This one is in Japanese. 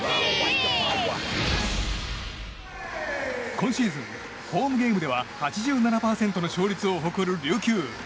今シーズンホームゲームでは８７％の勝率を誇る琉球。